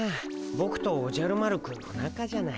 ボクとおじゃる丸くんの仲じゃない。